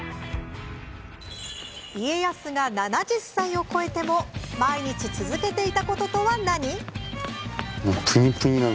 家康が７０歳を超えても毎日続けていたこととは何？